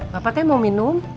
bapak teh mau minum